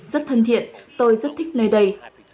rất thân thiện tôi rất thích nơi đây